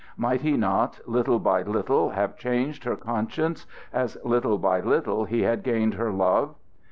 Might he not, little by little, have changed her conscience, as little by little he had gained her love?